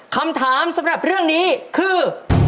คำถามสำหรับเรื่องนี้คือ